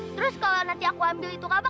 terus kalau nanti aku ambil itu apa